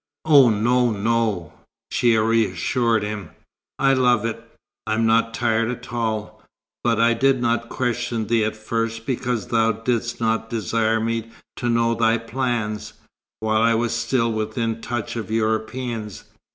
"Oh no, no," she reassured him. "I love it. I am not tired at all. But I did not question thee at first because thou didst not desire me to know thy plans, while I was still within touch of Europeans.